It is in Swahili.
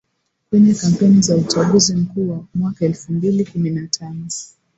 Kwenye kampeni za Uchaguzi Mkuu wa mwaka elfu mbili kumi na tano